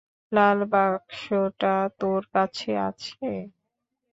লাল বাক্সটা তোর কাছে আছে?